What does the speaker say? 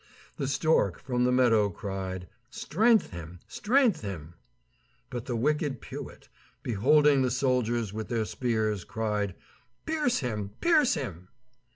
The stork from the meadow cried, "Strength Him! strength Him!" but the wicked pewit, beholding the soldiers with their spears, cried, "Pierce Him! pierce Him!"